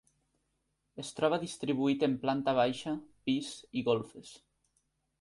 Es troba distribuït en planta baixa, pis i golfes.